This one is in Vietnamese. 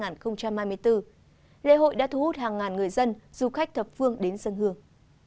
lễ hội đã thu hút hàng ngàn người dân du khách thập phương đến sân hương